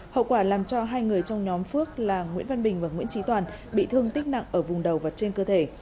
hậu quả làm cho hai người trong nhóm phước là nguyễn văn bình và nguyễn trí toàn bị thương tích nặng ở vùng đầu và trên cơ thể